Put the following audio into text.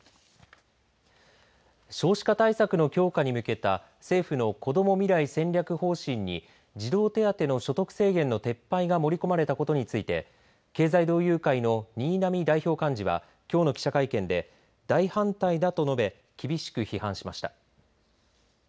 少子化対策の強化に向けた政府のこども未来戦略方針に児童手当の所得制限の撤廃が盛り込まれたことについて経済同友会の新浪代表幹事はきょうの記者会見で大反対だと述べ厳しく批判しました。